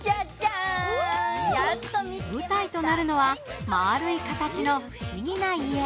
舞台となるのは丸い形の不思議な家。